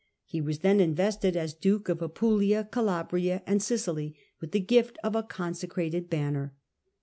He was then in vested, as duke of Apulia, Calabria, and Sicily, with the gift of a consecrated banner.